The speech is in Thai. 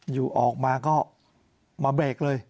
อยู่ออกมาก็มาเบรกเลย